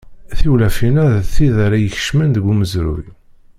Tiwlafin-a d tid ara ikecmen deg umezruy.